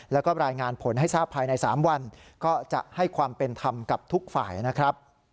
แล้วก็รายงานผลให้ทราบภายใน๓วันก็จะให้ความเป็นธรรมกับทุกฝ่ายนะครับ